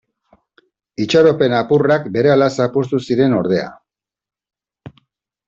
Itxaropen apurrak berehala zapuztu ziren ordea.